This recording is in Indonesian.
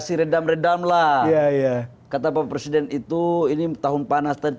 saya tahu pak presiden ini tahun panas